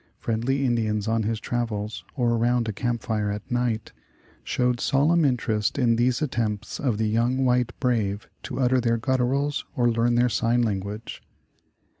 Friendly Indians on his travels, or around a camp fire at night, showed solemn interest in these at tempts of the young white brave to utter their gut turals, or learn their sign language.